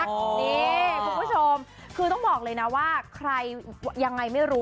นี่คุณผู้ชมคือต้องบอกเลยนะว่าใครยังไงไม่รู้